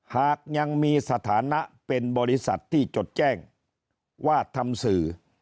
หากยังมีสถานะเป็นบริษัทที่จดแจ้งว่าทำสื่อ